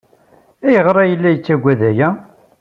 Ayɣer ay la tettged aya?